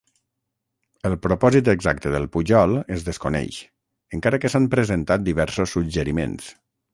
El propòsit exacte del pujol es desconeix, encara que s'han presentat diversos suggeriments.